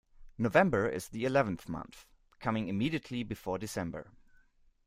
November is the eleventh month, coming immediately before December